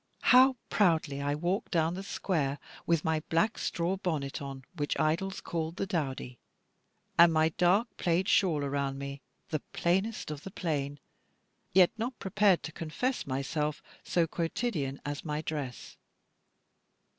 How proudly I walked down the Square, with my black straw bonnet on which Idols called the Dowdy, and my dark plaid shawl around me, the plainest of the plain, yet not prepared to confess myself so quotidian as my dress.